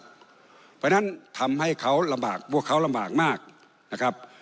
เพราะฉะนั้นทำให้เขาลำบากพวกเขาลำบากมากนะครับ